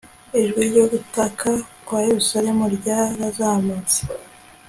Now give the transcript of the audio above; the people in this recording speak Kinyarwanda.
ijwi ryo gutaka kwa yerusalemu ryarazamutse